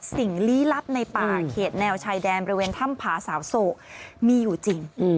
ลี้ลับในป่าเขตแนวชายแดนบริเวณถ้ำผาสาวโศกมีอยู่จริง